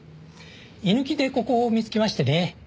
居抜きでここを見つけましてね。